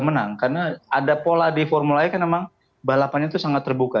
menang karena ada pola di formula e kan memang balapannya itu sangat terbuka